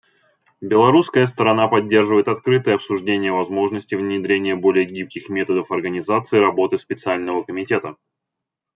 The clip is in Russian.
Белорусская сторона поддерживает открытое обсуждение возможности внедрения более гибких методов организации работы Специального комитета.